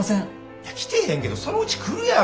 いや来てへんけどそのうち来るやろ。